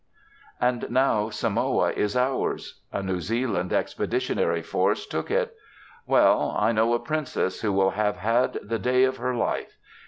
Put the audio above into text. And now Samoa is ours. A New Zealand Expeditionary Force took it. Well, I know a princess who will have had the day of her life.